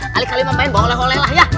kali kali mau main bawa oleh oleh lah ya